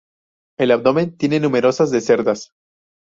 El abdomen tiene numerosas de cerdas.